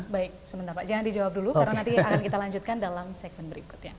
baik sebentar pak jangan dijawab dulu karena nanti akan kita lanjutkan dalam segmen berikutnya